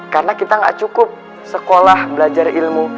karena kita gak cukup sekolah belajar ilmu